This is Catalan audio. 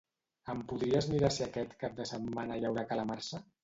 Em podries mirar si aquest cap de setmana hi haurà calamarsa?